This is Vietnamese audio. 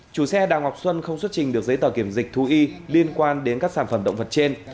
chủ xe đào ngọc xuân không xuất trình được giấy tờ kiểm dịch thú y liên quan đến các sản phẩm động vật trên